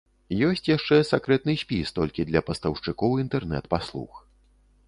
Ёсць яшчэ сакрэтны спіс, толькі для пастаўшчыкоў інтэрнэт-паслуг.